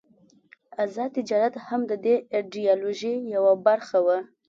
آزاد تجارت هم د دې ایډیالوژۍ یوه برخه وه.